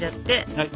はい。